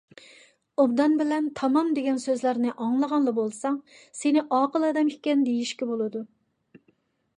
«ئوبدان» بىلەن «تامام» دېگەن سۆزلەرنى ئاڭلىغانلا بولساڭ، سېنى ئاقىل ئادەم ئىكەن دېيىشكە بولىدۇ.